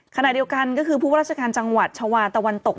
ขณะเดียวกันก็คือผู้ว่าราชการจังหวัดชาวาตะวันตก